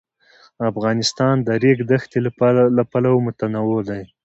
افغانستان د د ریګ دښتې له پلوه متنوع دی.